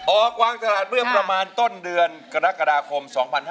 ออกวางตลาดเมื่อประมาณต้นเดือนกรกฎาคม๒๕๕๙